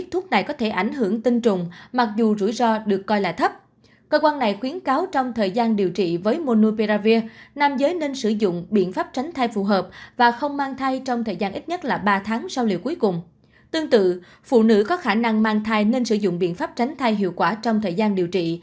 thuốc không được khuyến cáo sử dụng trong thời kỳ mang thai